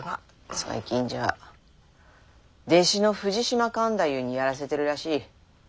最近じゃあ弟子の藤島勘太夫にやらせてるらしい。